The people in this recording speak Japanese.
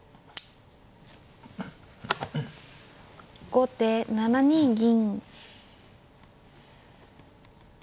後手７二銀。